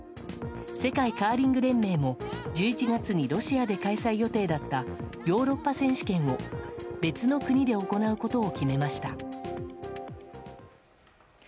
世界カーリング連盟も、１１月にロシアで開催予定だったヨーロッパ選手権を別の国で行うことを決めました。